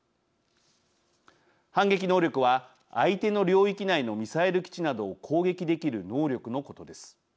反撃能力は相手の領域内のミサイル基地などを攻撃できる能力のことです。